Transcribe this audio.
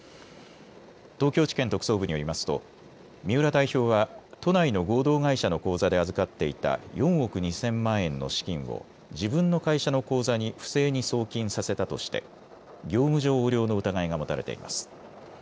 東京地検特捜部によりますと三浦代表は都内の合同会社の口座で預かっていた４億２０００万円の資金を自分の会社の口座に不正に送金させたとして業務上横領の疑いが持たれています。